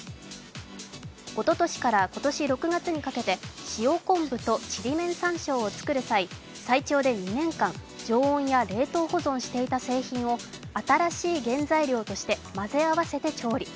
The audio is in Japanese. おととしから今年６月にかけて、塩昆布と、ちりめん山椒を作る際、最長で２年間、常温や冷凍保存していた製品を新しい原材料として混ぜ合わせて調理。